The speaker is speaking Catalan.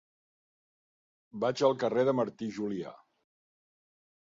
Vaig al carrer de Martí i Julià.